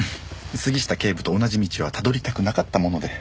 杉下警部と同じ道はたどりたくなかったもので。